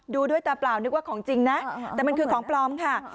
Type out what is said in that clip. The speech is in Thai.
ดูด้วยตาเปล่านึกว่าของจริงนะแต่มันคือของปลอมค่ะ